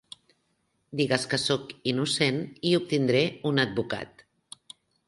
Digues que soc innocent i obtindré un advocat.